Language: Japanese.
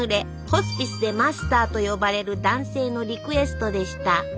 ホスピスで「マスター」と呼ばれる男性のリクエストでした。